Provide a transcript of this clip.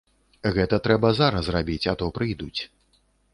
Гэта трэба зараз рабіць, а то прыйдуць.